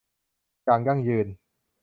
อย่างยั่งยืน